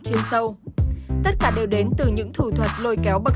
cũng như sự quyết định của khóa học